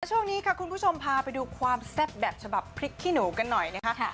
ช่วงนี้ค่ะคุณผู้ชมพาไปดูความแซ่บแบบฉบับพริกขี้หนูกันหน่อยนะคะ